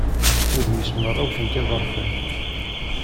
Udem-is merra wwten-t yiḍerfan.